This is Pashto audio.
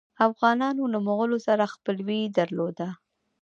افغانانو له مغولو سره خپلوي درلودله.